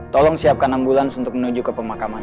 tolong siapkan ambulans untuk menuju ke pemakaman